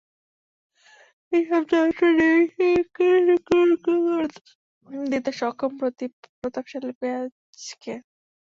এসব যন্ত্র নিমেষেই কেটে টুকরো টুকরো করে দিতে সক্ষম প্রতাপশালী পেঁয়াজকে।